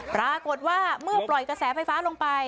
ปรากฏว่าเมื่อปล่อยกระแสไฟฟ้าลงไป